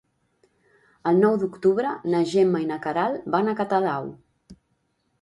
El nou d'octubre na Gemma i na Queralt van a Catadau.